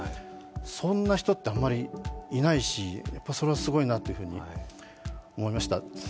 そんな人って、あんまりいないしそれはすごいなと思いました。